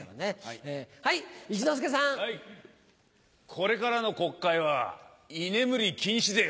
これからの国会は居眠り禁止ぜよ。